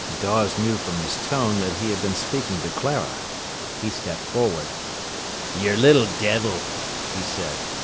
Dawes knew from his tone that he had been speaking to Clara. He stepped forward. "Yer little devil!" he said.